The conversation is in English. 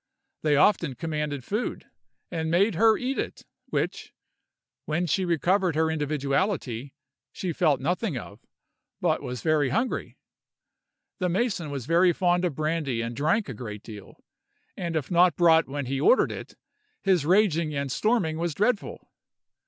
They often commanded food, and made her eat it, which, when she recovered her individuality, she felt nothing of, but was very hungry. The mason was very fond of brandy and drank a great deal; and if not brought when he ordered it, his raging and storming was dreadful.